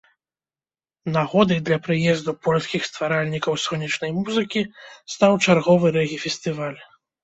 Нагодай для прыезду польскіх стваральнікаў сонечнай музыкі стаў чарговы рэгі-фестываль.